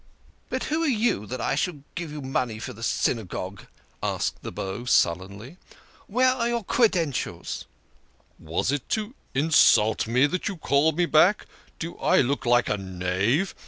" But who are you, that I should give you money for the THE KING OF SCHNORRERS. 145 Synagogue?" asked the Beau sullenly. "Where are your credentials ?" "Was it to insult me that you called me back? Do I look a knave?